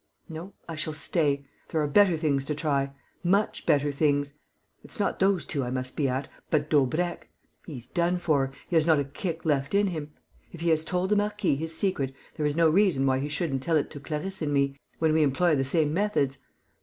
No, I shall stay. There are better things to try ... much better things. It's not those two I must be at, but Daubrecq. He's done for; he has not a kick left in him. If he has told the marquis his secret, there is no reason why he shouldn't tell it to Clarisse and me, when we employ the same methods.